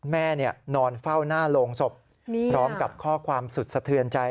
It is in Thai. นอนเฝ้าหน้าโรงศพพร้อมกับข้อความสุดสะเทือนใจ